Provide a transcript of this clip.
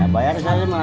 bayar ke siapa itu pak